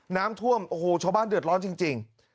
น้ำท่วมโอ้โหชาวบ้านเดือดร้อนจริง